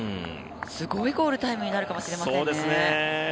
すごいゴールタイムになるかもしれませんね。